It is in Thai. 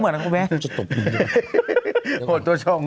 มันต้องมีรูปรองรวมประชาชนเนอะ